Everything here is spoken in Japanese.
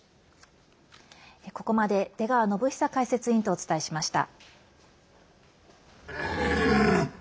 ここまで出川展恒解説委員とお伝えしました。